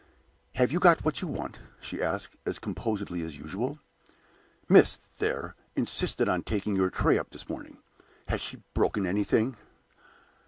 "Have you got what you want?" she asked, as composedly as usual. "Miss, there, insisted on taking your tray up this morning. Has she broken anything?"